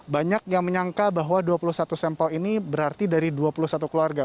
banyak yang menyangka bahwa dua puluh satu sampel ini berarti dari dua puluh satu keluarga